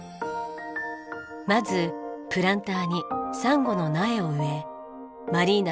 まずプランターにサンゴの苗を植えマリーナ